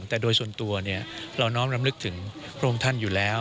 แต่โดยส่วนตัวเราน้อมรำลึกถึงพระองค์ท่านอยู่แล้ว